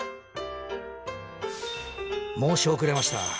申し遅れました。